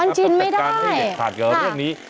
มันชินไม่ได้